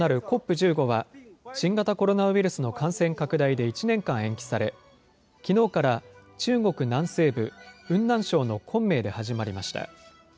１５は、新型コロナウイルスの感染拡大で１年間延期され、きのうから中国南西部雲南省の昆明で始まりました。